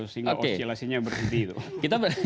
sehingga oscilasinya berhenti itu